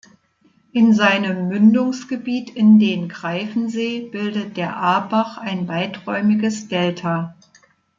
In seinem Mündungsgebiet in den Greifensee bildet der Aabach ein weiträumiges Delta.